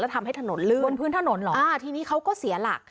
ทำให้ถนนลื่นบนพื้นถนนเหรออ่าทีนี้เขาก็เสียหลัก